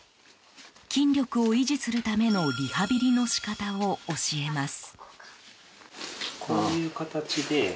筋力を維持するためのリハビリの仕方を教えます。